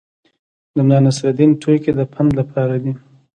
د ملانصرالدین ټوکې د پند لپاره دي.